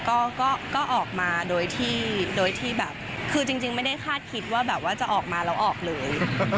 ก็ออกมาโดยที่โดยที่แบบคือจริงไม่ได้คาดคิดว่าแบบว่าจะออกมาแล้วออกเลย